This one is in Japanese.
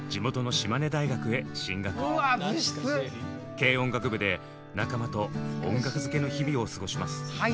軽音楽部で仲間と音楽漬けの日々を過ごします。